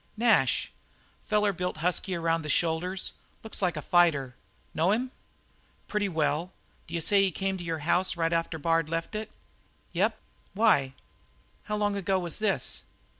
"Nash. Feller built husky around the shoulders looks like a fighter. Know him?" "Pretty well. D'you say he come to your house right after Bard left it?" "Yep. Why?" "How long ago was this?"